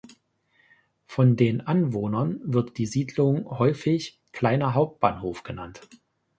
Von den Anwohnern wird die Siedlung häufig "kleiner Hauptbahnhof" genannt.